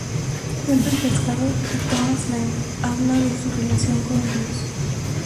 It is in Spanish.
Vuelve el pescador y Tomas le habla de su relación con Dios.